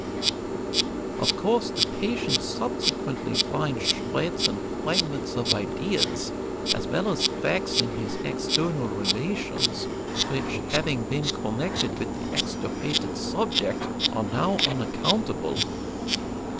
Of course, the patient subsequently finds shreds and fragments of ideas, as well as facts in his external relations, which, having been connected with the extirpated subject, are now unaccountable.